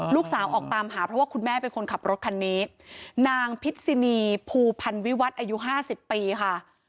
ลูกสาวออกตามหาเพราะว่าคุณแม่เป็นคนขับรถคันนี้นางพิษินีภูพันวิวัฒน์อายุห้าสิบปีค่ะ